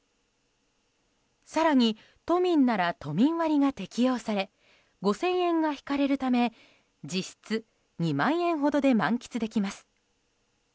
更に、都民なら都民割が適用され５０００円が引かれるため実質２万円ほどで満喫できます。